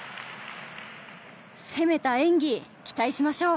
攻めた演技を期待しましょう。